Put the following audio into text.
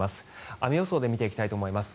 雨予想で見ていきたいと思います。